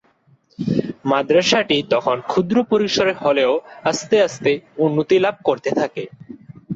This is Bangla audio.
মাদরাসাটি তখন ক্ষুদ্র পরিসরে হলেও আস্তে আস্তে উন্নতি লাভ করতে থাকে।